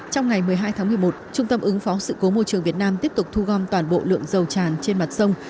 trong ngày một mươi hai tháng một mươi một trung tâm ứng phó sự cố môi trường việt nam tiếp tục thu gom toàn bộ lượng dầu tràn trên mặt sông